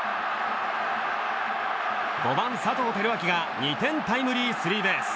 ５番、佐藤輝明が２点タイムリースリーベース。